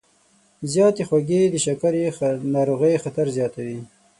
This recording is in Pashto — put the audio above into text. زیاتې خوږې د شکرې ناروغۍ خطر زیاتوي.